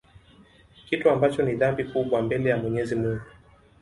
kitu ambacho ni dhambi kubwa mbele ya Mwenyezi Mungu